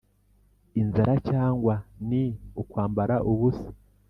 inzara, cyangwa ni ukwambara ubusa,